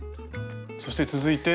そして続いて。